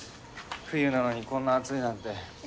冬なのにこんな暑いなんて。